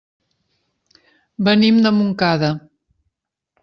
Venim de Montcada.